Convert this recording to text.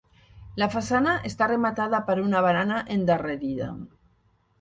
La façana està rematada per una barana endarrerida.